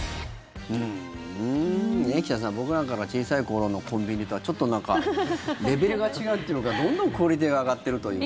ねえ、岸田さん僕らなんかが小さい頃のコンビニとはちょっとレベルが違うというのかどんどんクオリティーが上がってるというか。